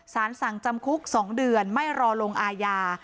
สารสั่งจำคุก๒เดือนไม่รอลงอาญา